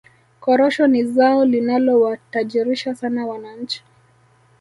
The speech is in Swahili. korosho ni zao linalowatajirisha sana wananchi